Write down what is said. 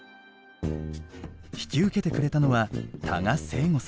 引き受けてくれたのは多賀盛剛さん。